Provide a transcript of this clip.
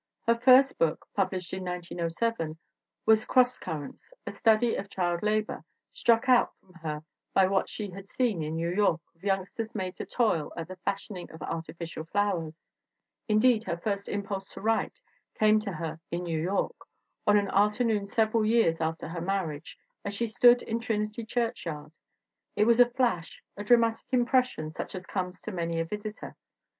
Her first book, published in 1907, was Cross Currents, a study of child labor, struck out from her by what she had seen in New York of youngsters made to toil at the fashioning of artificial flowers. Indeed, her first im pulse to write came to her in New York, on an after noon several years after her marriage, as she stood in Trinity churchyard. It was a flash, a dramatic impression such as comes to many a visitor.